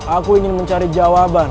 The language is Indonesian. aku ingin mencari jawaban